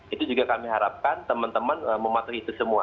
itu juga kami harapkan teman teman mematuhi itu semua